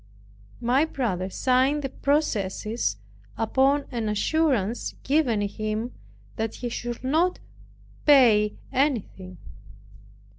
My brother signed the processes, upon an assurance given him that he should not pay anything.